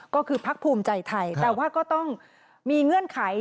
ก็คือพักภูมิใจไทยแต่ว่าก็ต้องมีเงื่อนไข